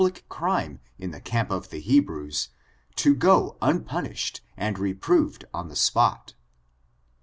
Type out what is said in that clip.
ACE, 161 lie crime in the camp of the Hebrews, to go impun ished and reproved on the spot.